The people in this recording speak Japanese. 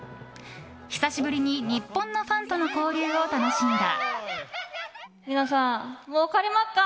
久しぶりに日本のファンとの交流を楽しんだ。